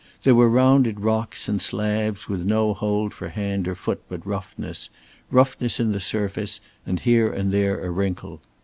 There were rounded rocks and slabs with no hold for hand or foot but roughness, roughness in the surface, and here and there a wrinkle.